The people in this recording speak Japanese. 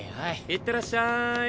いってらっしゃい。